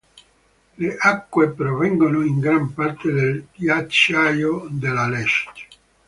Le acque provengono in gran parte dal ghiacciaio dell'Aletsch.